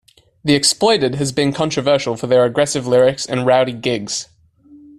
The Exploited has been controversial for their aggressive lyrics and rowdy gigs.